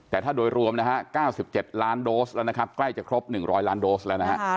แต่ถ้าโดยรวมนะฮะเก้าสิบเจ็ดล้านโดสแล้วนะครับใกล้จะครบหนึ่งร้อยล้านโดสแล้วนะฮะ